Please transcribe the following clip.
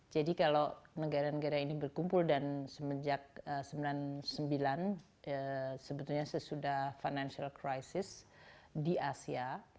jadi kalau negara negara ini berkumpul dan semenjak sembilan puluh sembilan sebetulnya sesudah financial crisis di asia